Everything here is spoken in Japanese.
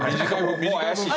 もう怪しい。